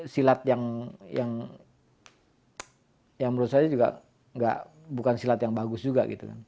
silat yang menurut saya juga bukan silat yang bagus juga gitu kan